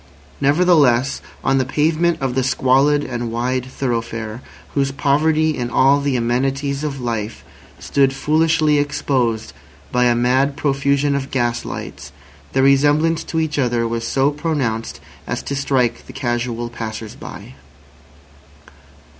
Nevertheless, on the pavement of the squalid and wide thoroughfare, whose poverty in all the amenities of life stood foolishly exposed by a mad profusion of gas lights, their resemblance to each other was so pronounced as to strike the casual passers by.